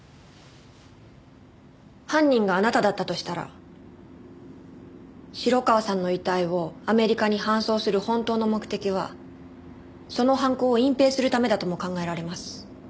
犯人があなただったとしたら城川さんの遺体をアメリカに搬送する本当の目的はその犯行を隠蔽するためだとも考えられます。